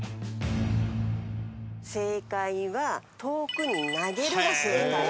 正解は遠くに投げるが正解です。